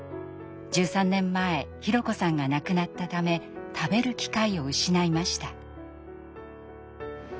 １３年前博子さんが亡くなったため食べる機会を失いました。